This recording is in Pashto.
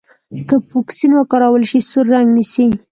که فوکسین وکارول شي سور رنګ نیسي.